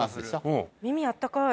うん耳あったかい